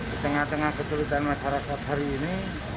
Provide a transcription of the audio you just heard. di tengah tengah kesulitan masyarakat hari ini